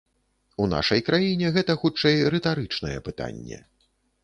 У нашай краіне гэта, хутчэй, рытарычнае пытанне.